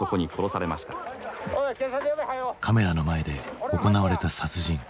カメラの前で行われた殺人。